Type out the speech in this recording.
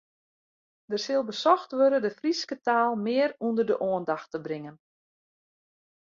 Der sil besocht wurde de Fryske taal mear ûnder de oandacht te bringen.